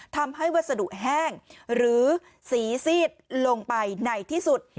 ทำให้วัสดุแห้งหรือสีซีดลงไปไหนที่สุด